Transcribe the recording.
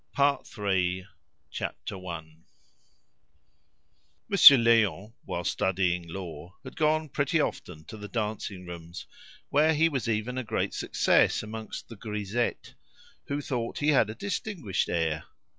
Part III Chapter One Monsieur Léon, while studying law, had gone pretty often to the dancing rooms, where he was even a great success amongst the grisettes, who thought he had a distinguished air.